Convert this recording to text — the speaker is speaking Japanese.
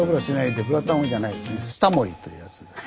「スタモリ」というやつです。